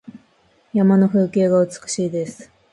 山の風景が美しいです。